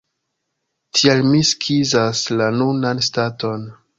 Tial mi skizas la nunan staton.